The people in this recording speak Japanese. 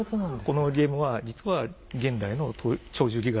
このゲームは実は現代の「鳥獣戯画」